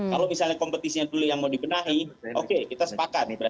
kalau misalnya kompetisinya dulu yang mau dibenahi oke kita sepakat